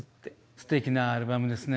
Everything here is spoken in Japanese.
すてきなアルバムですね。